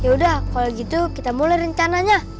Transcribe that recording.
ya udah kalau gitu kita mulai rencananya